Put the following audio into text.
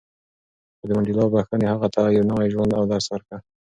خو د منډېلا بښنې هغه ته یو نوی ژوند او درس ورکړ.